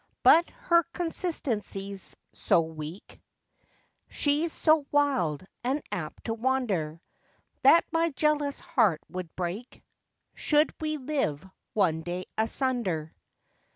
But her constancy's so weak, She's so wild and apt to wander; That my jealous heart would break Should we live one day asunder.